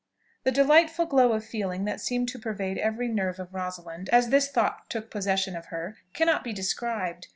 The delightful glow of feeling that seemed to pervade every nerve of Rosalind as this thought took possession of her cannot be described.